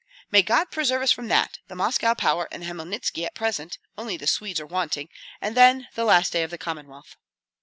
"May God preserve us from that! The Moscow power and Hmelnitski at present; only the Swedes are wanting, and then the last day of the Commonwealth."